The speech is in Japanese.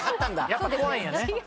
やっぱ怖いんやね。